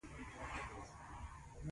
د پښو موچڼه يې په بازارونو کې نه پيدا کېده.